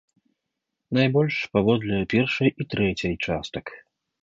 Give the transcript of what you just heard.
Найбольш паводле першай і трэцяй частак.